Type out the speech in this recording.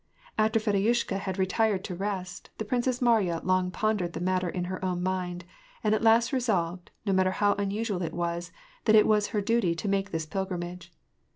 After Fedosyushka had retired to rest, the Princess Mariya long pondered the matter ia her own mind, and at last resolved, no matter how unusual it was, that it was her duty to make this pilgrimage.